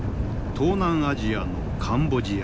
東南アジアのカンボジア。